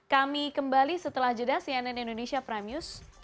kami kembali setelah jeda cnn indonesia prime news